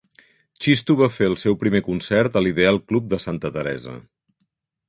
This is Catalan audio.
Xisto va fer el seu primer concert a l'Ideal Club de Santa Teresa.